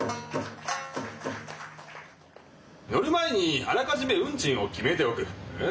乗る前にあらかじめ運賃を決めておく。